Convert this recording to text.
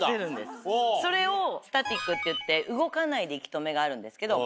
それをスタティックっていって動かないで息止めがあるんですけど。